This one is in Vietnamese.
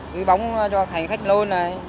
cứ bóng cho hành khách nôn này